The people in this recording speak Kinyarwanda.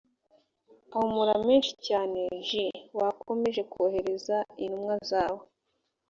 ahumura menshi cyane j wakomeje kohereza intumwa zawe